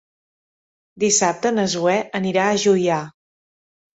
Dissabte na Zoè anirà a Juià.